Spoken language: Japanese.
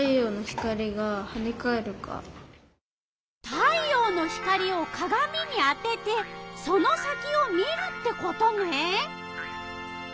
太陽の光をかがみにあててその先を見るってことね。